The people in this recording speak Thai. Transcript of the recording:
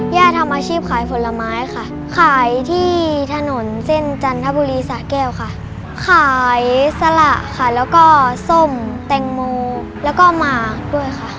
ทำอาชีพขายผลไม้ค่ะขายที่ถนนเส้นจันทบุรีสะแก้วค่ะขายสละค่ะแล้วก็ส้มแตงโมแล้วก็หมากด้วยค่ะ